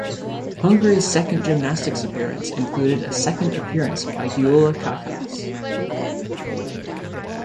Hungary's second gymnastics appearance included a second appearance by Gyula Kakas.